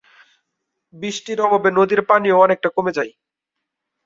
বৃষ্টির অভাবে নদীর পানিও অনেকটা কমে যায়।